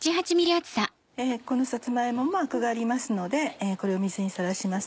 このさつま芋もアクがありますのでこれを水にさらします。